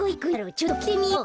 ちょっときいてみよう。